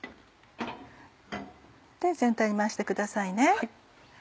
全体に回してくださいね。